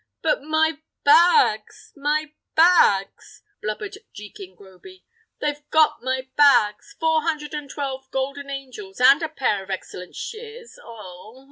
"But my bags! my bags!" blubbered Jekin Groby; "they've got my bags: four hundred and twelve golden angels, and a pair of excellent shears, oh!